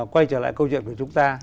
quay trở lại câu chuyện của chúng ta